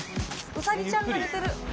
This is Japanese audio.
ウサギちゃんが寝てる！